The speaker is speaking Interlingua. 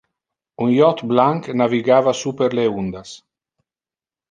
Un yacht blanc navigava super le undas.